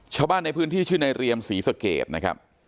ชาวบ้านในพื้นที่ชื่อในเรียมศรีสะเกดนะครับ